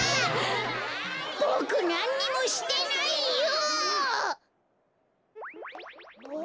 ボクなんにもしてないよ！